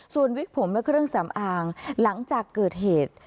ส่วนวิกผมและเครื่องสำอางหลังจากเกิดเหตุ